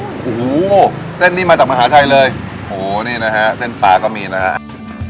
โอ้โหเส้นนี้มาจากมหาชัยเลยโหนี่นะฮะเส้นปลาก็มีนะฮะ